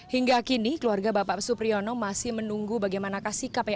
hingga kini keluarga bapak supriyono masih menunggu bagaimana kasih kpk